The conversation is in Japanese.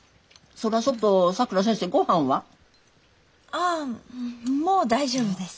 ああもう大丈夫です。